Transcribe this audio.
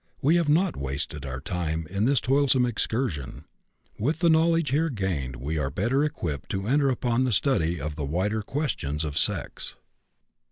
We have not wasted our time in this toilsome excursion. With the knowledge here gained we are the better equipped to enter upon the study of the wider questions of sex.